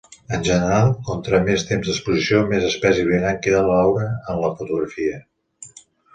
En general, contra més temps d'exposició, més espès i brillant queda l'aura en la fotografia.